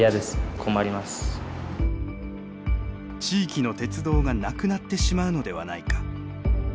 地域の鉄道がなくなってしまうのではないか。